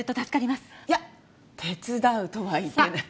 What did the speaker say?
いや手伝うとは言ってない。